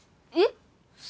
えっ？